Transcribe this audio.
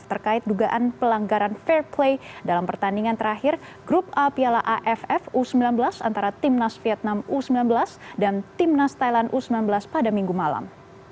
terkait dugaan pelanggaran fair play dalam pertandingan terakhir grup a piala aff u sembilan belas antara timnas vietnam u sembilan belas dan timnas thailand u sembilan belas pada minggu malam